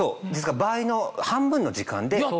倍の半分の時間で。